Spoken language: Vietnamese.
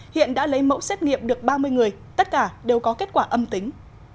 hiện đã lấy mẫu xét nghiệm được ba mươi người tất cả đều có kết quả âm tính